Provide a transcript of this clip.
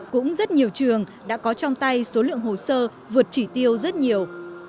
cũng rất nhiều trường đã có trong tay số lượng hồ sơ vượt chỉ tiêu rất nhiều